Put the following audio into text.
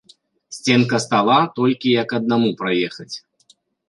Сценка стала толькі як аднаму праехаць.